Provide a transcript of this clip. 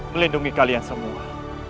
melindungi kalian semua